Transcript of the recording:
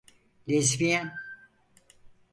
Lezbiyen…